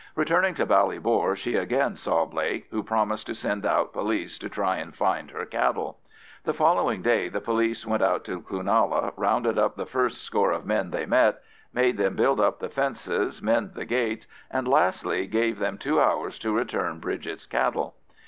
Returning to Ballybor, she again saw Blake, who promised to send out police to try and find her cattle. The following day the police went out to Cloonalla, rounded up the first score of men they met, made them build up the fences, mend the gates, and lastly, gave them two hours to return Bridget's cattle.